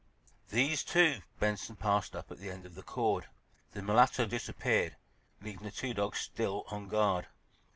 These, too, Benson passed up at the end of the cord. The mulatto disappeared, leaving the two dogs still on guard.